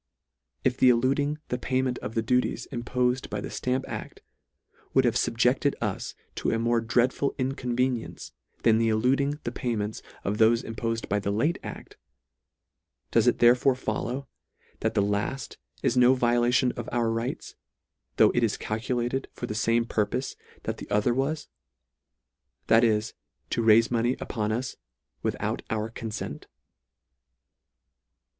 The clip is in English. If the eluding the payment of the duties im pofed by the ftamp act, would have fubject ed us to a more dreadful inconvenience, than the eluding the payment of thofe impofed by the late act ; does it therefore follow, that the lalt is no violation of our rights, though it is calculated for the fame purpofe that the other was, that is, to raife money upon us, WITHOUT OUR CONSENT